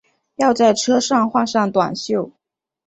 要在车上换上短袖